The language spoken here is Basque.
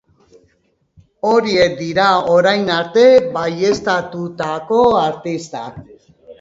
Horiek dira orain arte baieztatutako artistak.